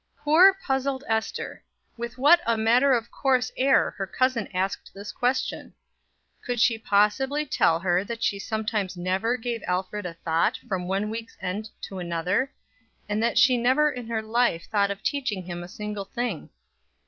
Poor, puzzled Ester! With what a matter of course air her cousin asked this question. Could she possibly tell her that she sometimes never gave Alfred a thought from one week's end to another, and that she never in her life thought of teaching him a single thing.